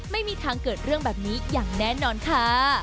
ไม่มีทางเกิดเรื่องแบบนี้อย่างแน่นอนค่ะ